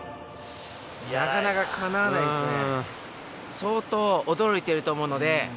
なかなかかなわないですね。